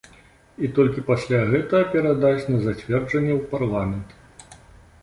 І толькі пасля гэтага перадасць на зацвярджэнне ў парламент.